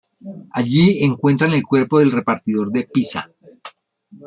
Allí encuentran el cuerpo del repartidor de pizza.